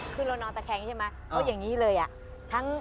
คือเรานอนตะแคงใช่ไหมเขาอย่างนี้เลยอะ